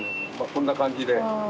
こんな感じで。